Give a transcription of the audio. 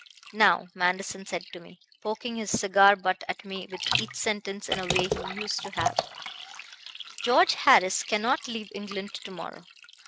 "'Now,' Manderson said to me, poking his cigar butt at me with each sentence in a way he used to have, 'George Harris cannot leave England to morrow.